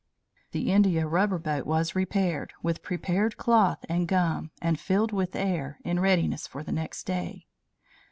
The India rubber boat was repaired with prepared cloth and gum, and filled with air, in readiness for the next day.